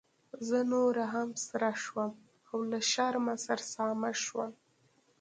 زه نوره هم سره شوم او له شرمه سرسامه شوم.